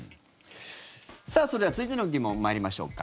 それでは続いての疑問、参りましょうか。